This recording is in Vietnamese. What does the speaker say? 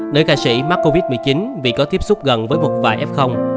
nữ ca sĩ mắc covid một mươi chín vì có tiếp xúc gần với một vài f